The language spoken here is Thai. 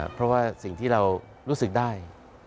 เพราะว่าสิ่งที่เรารู้สึกได้